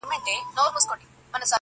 خپل کمال به د څښتن په مخ کي ږدمه-